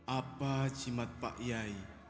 apa cimat pak yayi